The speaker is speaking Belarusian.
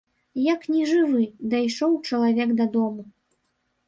Як нежывы, дайшоў чалавек дадому.